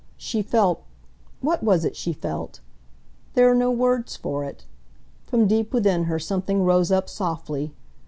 She felt—what was it she felt? There are no words for it. From deep within her something rose up softly